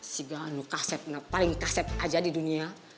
sibila lu kasep paling kasep aja di dunia